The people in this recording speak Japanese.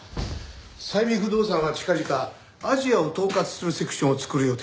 最美不動産は近々アジアを統括するセクションを作る予定だったそうです。